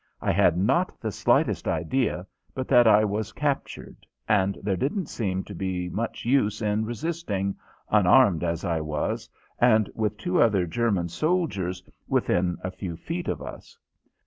I had not the slightest idea but that I was captured, and there didn't seem to be much use in resisting, unarmed as I was and with two other German soldiers within a few feet of us.